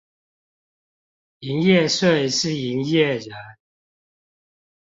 營業稅是營業人